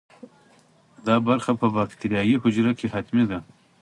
دا برخه په باکتریايي حجره کې حتمي ده.